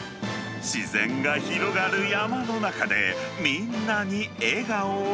自然が広がる山の中で、みんなに笑顔を。